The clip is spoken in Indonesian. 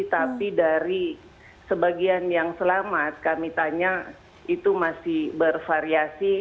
tapi dari sebagian yang selamat kami tanya itu masih bervariasi